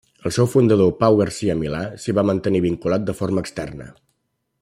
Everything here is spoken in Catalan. El seu fundador Pau Garcia-Milà s'hi va mantenir vinculat de forma externa.